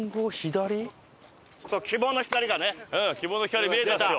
希望の光見えたっすよ。